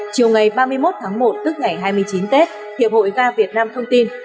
chiều ngày ba mươi một tháng một tức ngày hai mươi chín tết hiệp hội ga việt nam thông tin